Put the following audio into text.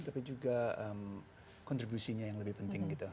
tapi juga kontribusinya yang lebih penting gitu